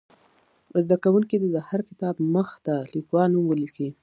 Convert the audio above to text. زده کوونکي دې د هر کتاب مخ ته د لیکوال نوم ولیکي.